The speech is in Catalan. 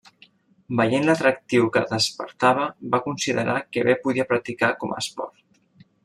Veient l'atractiu que despertava, va considerar que bé podia practicar com a esport.